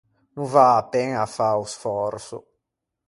No vâ a peña fâ o sfòrso.